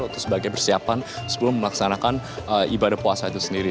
atau sebagai persiapan sebelum melaksanakan ibadah puasa itu sendiri